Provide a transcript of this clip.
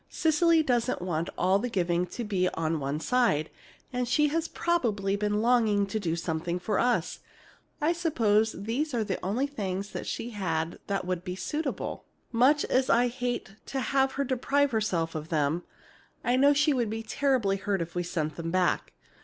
"Cecily doesn't want all the giving to be on one side, and she has probably been longing to do something for us. I suppose these are the only things she had that would be suitable. Much as I hate to have her deprive herself of them, I know she'd be terribly hurt if we sent them back.